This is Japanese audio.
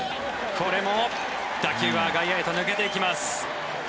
これも打球は外野へと抜けていきます。